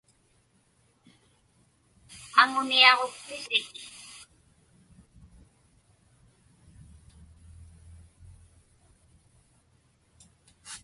Aŋuniaġukpisik?